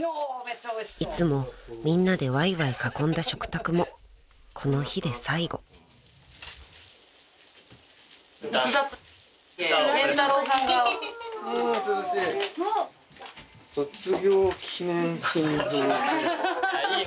［いつもみんなでわいわい囲んだ食卓もこの日で最後］いいのに。